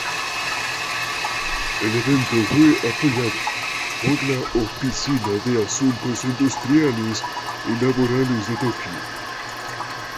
El evento fue apoyado por la "Oficina de Asuntos Industriales y Laborales de Tokio".